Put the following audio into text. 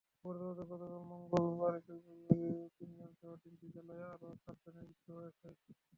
বজ্রপাতে গতকাল মঙ্গলবার একই পরিবারের তিনজনসহ তিনটি জেলায় আরও সাতজনের মৃত্যু হয়েছে।